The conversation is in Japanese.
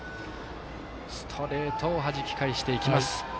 ストレートをはじき返していきます。